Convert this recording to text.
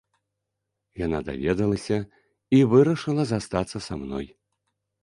Яна даведалася і вырашыла застацца са мной.